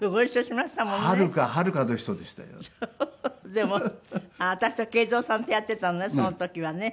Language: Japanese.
でも私と圭三さんとやっていたのねその時はね。